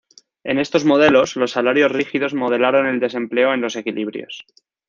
En estos modelos, los salarios rígidos modelaron el desempleo en los equilibrios.